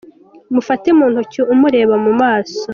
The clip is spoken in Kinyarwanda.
Mufate mu ntoki umureba mu maso.